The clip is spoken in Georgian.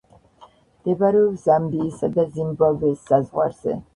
მდებარეობს ზამბიისა და ზიმბაბვეს საზღვარზე.